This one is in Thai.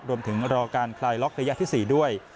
รวมถึงรอการไพลล็อกระยะที่๔ด้วย